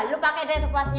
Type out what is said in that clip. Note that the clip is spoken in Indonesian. lu pakai deh sekuasnya